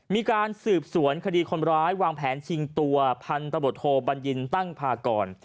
มีการสืบสวนคดีคนร้ายวางแผนชิงตัวพันธบทโทบัญญินตั้งพากร